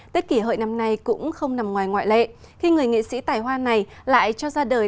tết kỷ hợi năm nay cũng không nằm ngoài ngoại lệ khi người nghệ sĩ tài hoa này lại cho ra đời